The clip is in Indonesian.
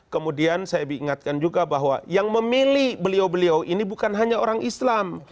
kemudian saya ingatkan juga bahwa yang memilih beliau beliau ini bukan hanya orang islam